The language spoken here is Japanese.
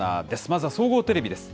まずは総合テレビです。